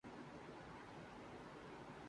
احوال گل و لالہ غم انگیز بہت ہے